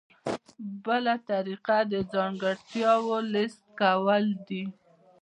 بله طریقه د ځانګړتیاوو لیست کول دي.